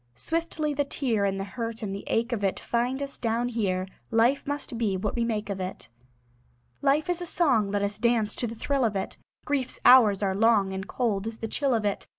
Swiftly the tear And the hurt and the ache of it Find us down here; Life must be what we make of it. Life is a song; Let us dance to the thrill of it. Grief's hours are long, And cold is the chill of it.